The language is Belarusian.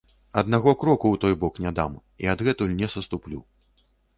Аднаго кроку ў той бок не дам і адгэтуль не саступлю.